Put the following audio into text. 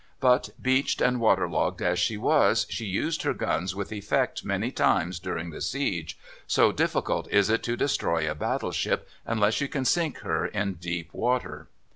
But, beached and water logged as she was, she used her guns with effect many times during the siege, so difficult is it to destroy a battleship unless you can sink her in deep water.